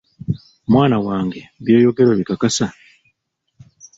Mwana wange by'oyogera obikakasa?